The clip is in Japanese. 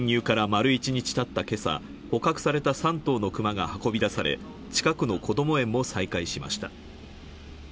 侵入から丸一日経った今朝、捕獲された３頭のクマが運び出され、近くのこども園も再開しました。